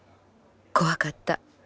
「怖かった。